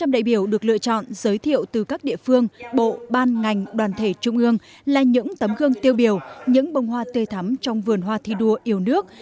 một trăm linh đại biểu được lựa chọn giới thiệu từ các địa phương bộ ban ngành đoàn thể trung ương là những tấm gương tiêu biểu những bông hoa tươi thắm trong vườn hoa thi đua yêu nước